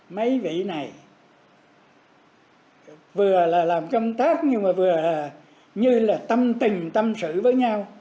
mấy gỉ này vừa là làm công tác nhưng mà vừa như là tâm tình tâm sự với nhau